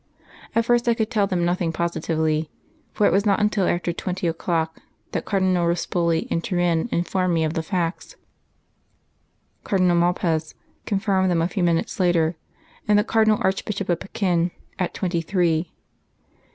At first I could tell them nothing positively, for it was not until after twenty o'clock that Cardinal Ruspoli, in Turin, informed me of the facts. Cardinal Malpas confirmed them a few minutes later, and the Cardinal Archbishop of Pekin at twenty three.